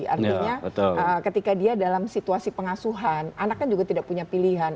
artinya ketika dia dalam situasi pengasuhan anaknya juga tidak punya pilihan